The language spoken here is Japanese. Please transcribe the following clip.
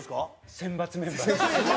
選抜メンバーです。